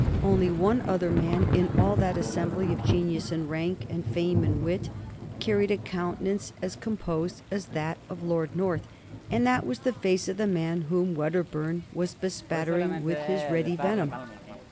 Only one other man in all that assembly of genius and rank and fame and wit carried a countenance as composed as that of Lord North, and that was the face of the man whom Wedderburn was bespattering with his ready venom.